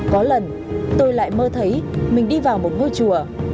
có lần tôi lại mơ thấy mình đi vào một ngôi chùa